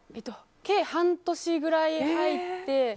計半年くらい入って。